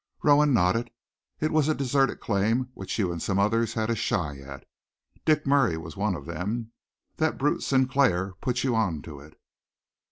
Rowan nodded. "It was a deserted claim which you and some others had a shy at. Dick Murray was one of them. That brute Sinclair put you on to it."